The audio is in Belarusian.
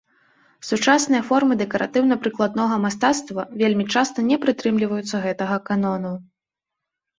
Сучасныя формы дэкаратыўна прыкладнога мастацтва вельмі часта не прытрымліваюцца гэтага канону.